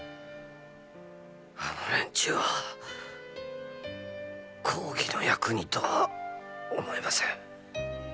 あの連中は公儀の役人とは思えません！